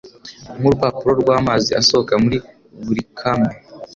Nkurupapuro rwamazi asohoka muri Bulicame